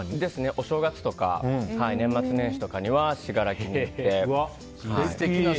お正月とか年末年始は信楽に行って。